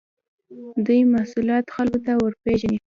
دوی محصولات خلکو ته ورپېژني.